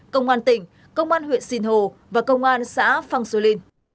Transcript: công an tỉnh công an huyện sinh hồ và công an xã phan xô linh